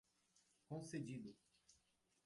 concedido